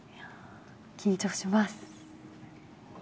緊張します。